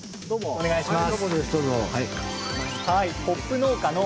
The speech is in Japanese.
お願いします。